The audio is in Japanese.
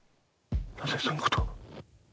なぜそのことを。